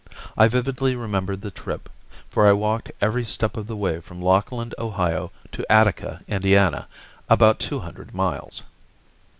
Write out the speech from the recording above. I vividly remember the trip, for I walked every step of the way from Lockland, Ohio, to Attica, Indiana, about two hundred miles.